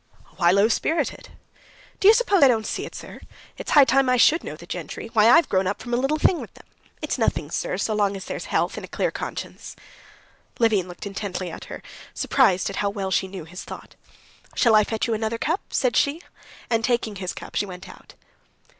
"Why low spirited?" "Do you suppose I don't see it, sir? It's high time I should know the gentry. Why, I've grown up from a little thing with them. It's nothing, sir, so long as there's health and a clear conscience." Levin looked intently at her, surprised at how well she knew his thought. "Shall I fetch you another cup?" said she, and taking his cup she went out.